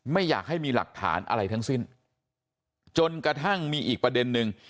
ไม่อยากให้มีหลักฐานอะไรทั้งสิ้นจนกระทั่งมีอีกประเด็นนึง